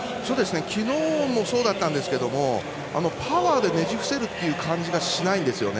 昨日もそうだったんですがパワーでねじ伏せるという感じがしないですね。